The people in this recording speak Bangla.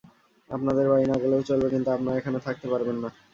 আপনাদের বাড়ি না গেলেও চলবে, কিন্তু আপনারা এখানে থাকতে পারবেন না।